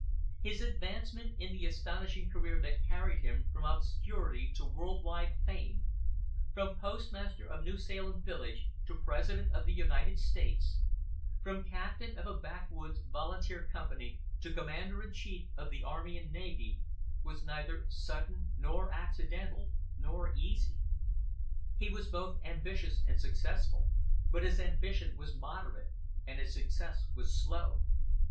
His advancement in the astonishing career that carried him from obscurity to world wide fame from postmaster of New Salem village to President of the United States, from captain of a backwoods volunteer company to Commander in Chief of the Army and Navy, was neither sudden nor accidental, nor easy. He was both ambitious and successful, but his ambition was moderate, and his success was slow.